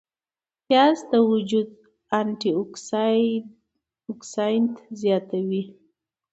پیاز د وجود انتي اوکسیدانت زیاتوي